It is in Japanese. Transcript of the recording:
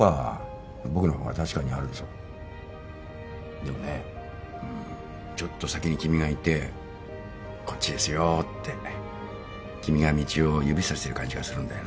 でもねうんちょっと先に君がいてこっちですよって君が道を指さしてる感じがするんだよな。